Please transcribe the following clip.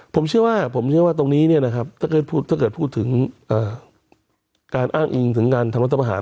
ผมเชื่อว่าตรงนี้ถ้าเกิดพูดถึงการอ้างอิงถึงการทางรัฐมหาล